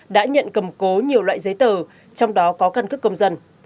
đã nhận cầm cố nhiều loại giấy tờ trong đó có căn cước công dân